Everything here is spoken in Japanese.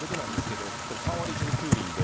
３割１分９厘で。